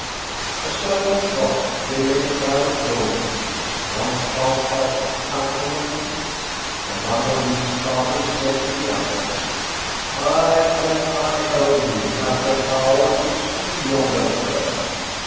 A certain Shroff, bearing a bag of gold pieces, once passed by a company of thieves, and one of these sharpers said to the others, "I, and I only, have the power to steal yonder purse."